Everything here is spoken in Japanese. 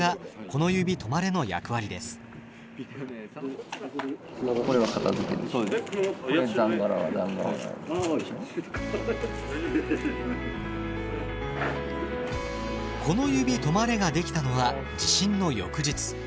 「このゆびとまれ」が出来たのは地震の翌日。